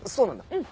うん。